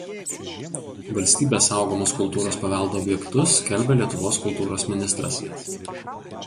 Valstybės saugomus kultūros paveldo objektus skelbia Lietuvos kultūros ministras.